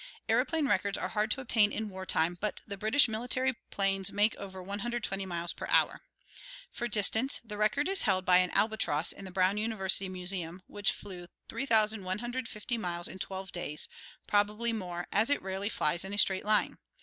Aeroplane records are hard to obtain in war time, but the British military 'planes make over 120 miles per hour. For distance, the record is held by an albatross in the Brown University Museum, which flew 3150 miles in 12 days — probably more, as it rarely flies in a straight line.